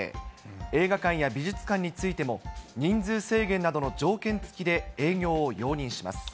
映画館や美術館についても、人数制限などの条件付きで営業を容認します。